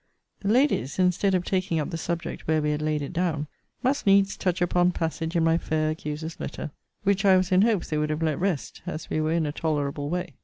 ] The Ladies, instead of taking up the subject where we had laid it down, must needs touch upon passage in my fair accuser's letter, which I was in hopes they would have let rest, as we were in a tolerable way.